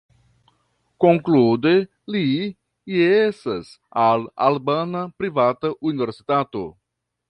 Konklude, li jesas al albana privata universitato.